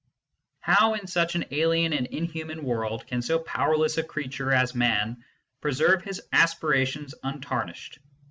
How, in such an alien and inhuman world, can so powerless a creature as Man preserve his aspirations untarnished